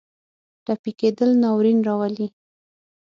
ټپي کېدل ناورین راولي.